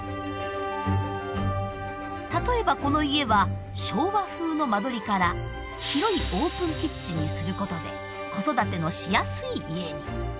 例えばこの家は昭和風の間取りから広いオープンキッチンにすることで子育てのしやすい家に。